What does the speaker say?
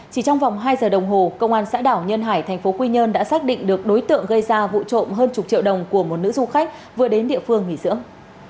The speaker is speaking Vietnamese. chỉ trong vòng hai giờ đồng hồ công an xã đảo nhân hải tp quy nhơn đã xác định được đối tượng gây ra vụ trộm hơn chục triệu đồng của một nữ du khách vừa đến địa phương nghỉ dưỡng